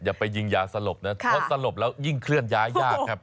อย่าไปยิงยาสลบนะเพราะสลบแล้วยิ่งเคลื่อนย้ายยากครับ